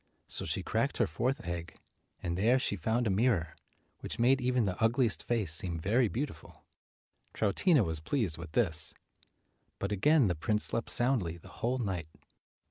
So she cracked her fourth egg, and there she found a mirror which made even the ugliest face seem very beautiful. Troutina was pleased with this. But again the prince slept soundly the whole night.